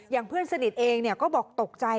เพื่อนสนิทเองก็บอกตกใจ